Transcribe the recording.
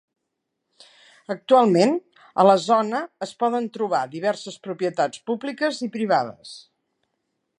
Actualment, a la zona es poden trobar diverses propietats públiques i privades.